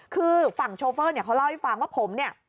คือฝั่งโชเฟอร์เนี่ยเขาเล่าให้ฟังว่าผมเนี่ย